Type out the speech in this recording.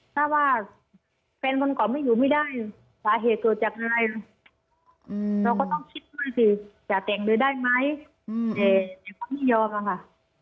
ถ้าว่าแฟนคนก่อนไม่อยู่ไม่ได้สาเหตุเกิดจากอะไรเราก็ต้องคิดมากสิจะแต่งเลยได้ไหมแต่เขาไม่ยอมอะค่ะ